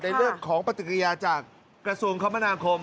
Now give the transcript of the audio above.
ในเรื่องของปฏิกิริยาจากกระทรวงคมนาคม